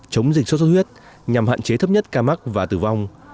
chống dịch sốt xuất huyết nhằm hạn chế thấp nhất ca mắc và tử vong